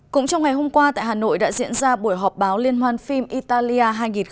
cũng trong ngày hôm qua tại hà nội đã diễn ra buổi họp báo liên hoan phim italia hai nghìn hai mươi